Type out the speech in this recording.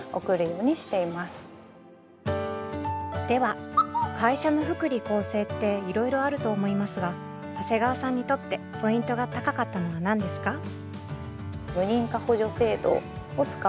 では会社の福利厚生っていろいろあると思いますが長谷川さんにとってポイントが高かったのは何ですか？